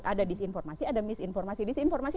ada disinformasi ada misinformasi disinformasi